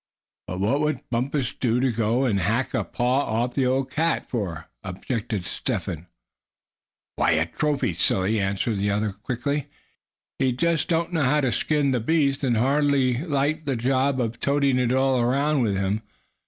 "But what would Bumpus want to go and hack a paw off the old cat for?" objected Step Hen. "Why, for a trophy, silly," answered the' other, quickly. "He just didn't know how to skin the beast, and hardly liked the job of toting it all around with him.